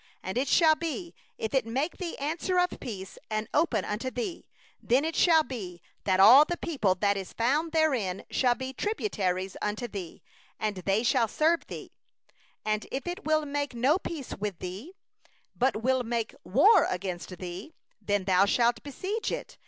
11And it shall be, if it make thee answer of peace, and open unto thee, then it shall be, that all the people that are found therein shall become tributary unto thee, and shall serve thee. 12And if it will make no peace with thee, but will make war against thee, then thou shalt besiege it.